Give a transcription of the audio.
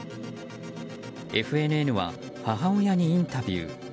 ＦＮＮは母親にインタビュー。